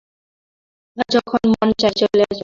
যখন মন চায় চলে আসবেন।